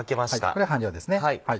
これは半量ですね。